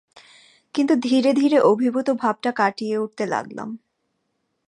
কিন্তু ধীরে ধীরে অভিভূত ভাবটা কাটিয়ে উঠতে লগলাম।